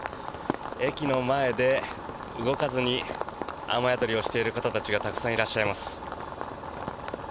駅の前で動かずに雨宿りをしている方たちがたくさんいらっしゃいます。